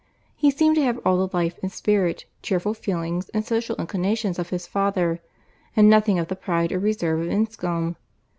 He seemed to have all the life and spirit, cheerful feelings, and social inclinations of his father, and nothing of the pride or reserve of Enscombe.